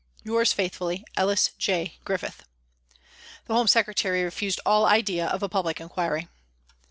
..," Yours faithfully, " ELLIS J. GRIFFITH." The Home Secretary refused all idea of a public inquiry.